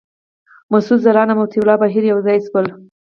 مسعود ځلاند او مطیع الله بهیر یو ځای شول.